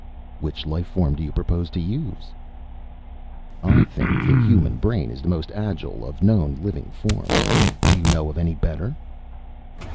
"Which life form do you propose to use?" "I think the human brain is the most agile of known living forms. Do you know of any better?"